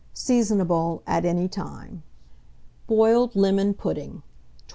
Seasonable at any time. BOILED LEMON PUDDING. 1298.